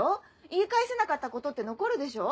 言い返せなかったことって残るでしょ？